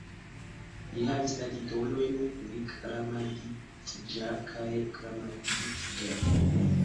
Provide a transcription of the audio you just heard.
Li havis la titolojn "Vikramaditĝa" kaj "Kramaditĝa".